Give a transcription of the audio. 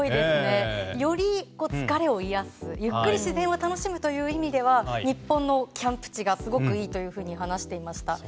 より疲れを癒やすゆっくり自然を楽しむという意味では、日本のキャンプ地がすごくいいというふうに話していました。